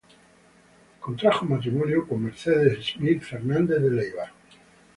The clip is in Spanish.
Contrajo matrimonio con Mercedes Smith Fernández de Leiva.